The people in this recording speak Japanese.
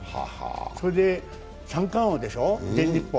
それで三冠王でしょう、全日本。